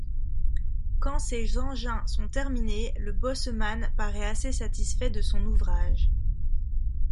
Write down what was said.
Quand ces engins sont terminés, le bosseman paraît assez satisfait de son ouvrage.